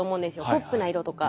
ポップな色とか。